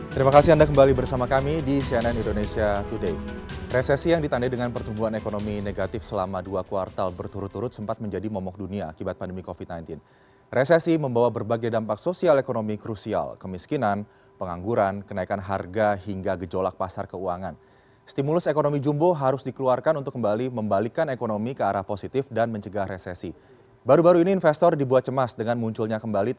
terima kasih anda kembali bersama kami di cnn indonesia today